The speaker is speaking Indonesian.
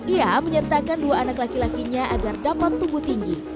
ia menyertakan dua anak laki lakinya agar dapat tumbuh tinggi